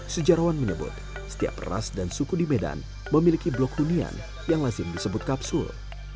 sejarawan menyebut setiap ras dan suku di medan memiliki blok hunian yang lazim disebut kapsul